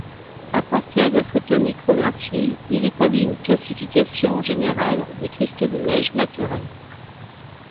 À partir de photomicrographies, il établit une classification générale des cristaux de neiges naturels.